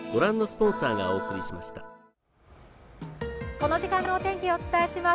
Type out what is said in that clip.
この時間のお天気をお伝えします。